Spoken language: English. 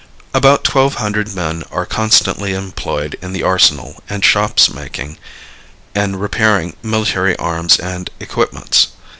About twelve hundred men are constantly employed in the arsenal and shops making and repairing military arms and equipments.